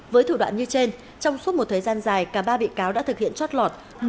với thủ đoạn như trên trong suốt một thời gian dài cả ba bị cáo đã thực hiện chót lọt